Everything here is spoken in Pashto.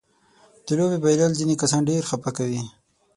د لوبې بایلل ځينې کسان ډېر خپه کوي.